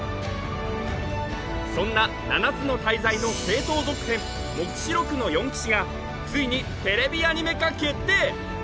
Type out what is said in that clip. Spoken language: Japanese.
そんな「七つの大罪」の正統続編「黙示録の四騎士」がついにテレビアニメ化決定